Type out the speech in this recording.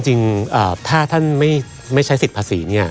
ก็จริงถ้าท่านไม่ใช้สิทธิภาษีเนี่ย